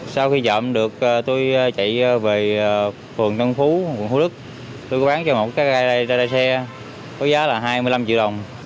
sau khi trộm được tôi chạy về phường tân phú quận hồ đức tôi có bán cho một cái gai đai xe có giá là hai mươi năm triệu đồng